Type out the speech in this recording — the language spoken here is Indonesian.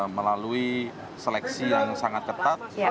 melalui seleksi yang sangat ketat